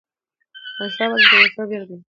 احمدشاه بابا د زړورتیا بېلګه ده.